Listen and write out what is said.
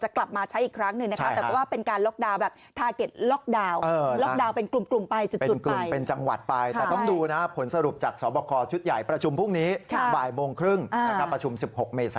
จะกลับมาใช้อีกครั้งหนึ่งแต่ว่าเป็นการล็อกดาวน์แบบ